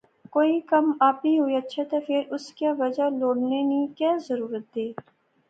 کوئی کم آپی ہوئی اچھے تہ فیر اس کیا وجہ لوڑنے نی کہہ ضرورت دیر